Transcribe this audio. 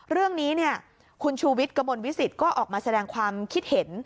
เรื่องนี้คุณชูวิทย์กระมวลวิสิตก็ออกมาแสดงความคิดเห็น